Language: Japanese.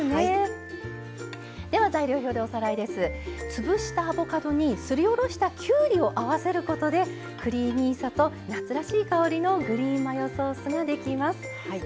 潰したアボカドにすりおろしたきゅうりを合わせることでクリーミーさと夏らしい香りのグリーンマヨソースが出来ます。